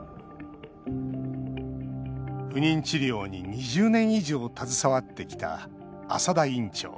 不妊治療に２０年以上携わってきた浅田院長。